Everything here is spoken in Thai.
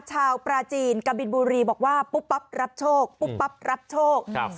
ชาวปราจีนกะบินบุรีบอกว่าปุ๊บปั๊บรับโชคปุ๊บปั๊บรับโชค